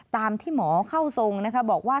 ตามที่หมอเข้าทรงนะคะบอกว่า